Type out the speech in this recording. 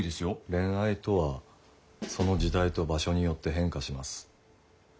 恋愛とはその時代と場所によって変化します。